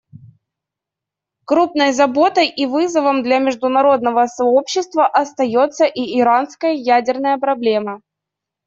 Крупной заботой и вызовом для международного сообщества остается и иранская ядерная проблема.